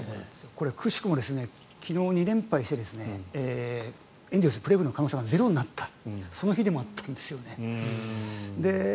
くしくも昨日２連敗してエンゼルス可能性がゼロになった日でもあったんですよね。